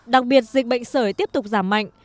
đặc biệt dịch bệnh sởi tiếp tục giảm mạnh